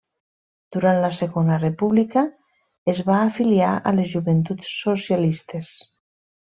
Durant la Segona República es va afiliar a les Joventuts Socialistes.